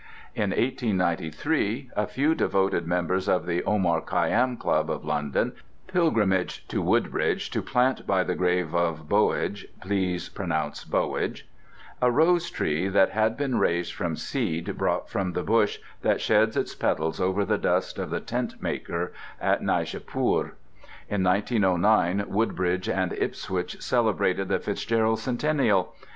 In 1893 a few devoted members of the Omar Khayyam Club of London pilgrimaged to Woodbridge to plant by the grave at Boulge (please pronounce "Bowidge") a rosetree that had been raised from seed brought from the bush that sheds its petals over the dust of the tent maker at Naishapur. In 1909 Woodbridge and Ipswich celebrated the FitzGerald centennial.